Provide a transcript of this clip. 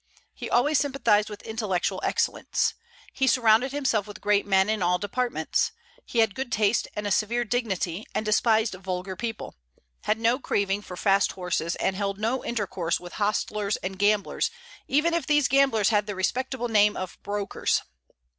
He always sympathized with intellectual excellence. He surrounded himself with great men in all departments. He had good taste and a severe dignity, and despised vulgar people; had no craving for fast horses, and held no intercourse with hostlers and gamblers, even if these gamblers had the respectable name of brokers.